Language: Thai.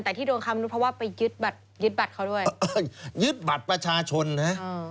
แต่ที่โดนค้ามนุษย์เพราะว่าไปยึดบัตรยึดบัตรเขาด้วยยึดบัตรประชาชนนะ